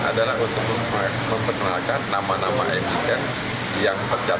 tapi kalau untuk masyarakat yang belum tahu saham yang mungkin ini sudah baik jadi ini lebih awal